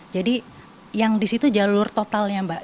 jadi yang di situ jalur totalnya mbak